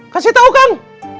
kasih tau kang